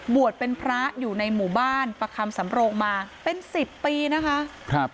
บวชเป็นพระอยู่ในหมู่บ้านประคำสำโรงมาเป็นสิบปีนะคะ